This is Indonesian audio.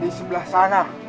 di sebelah sana